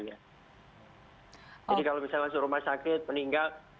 jadi kalau masuk rumah sakit meninggal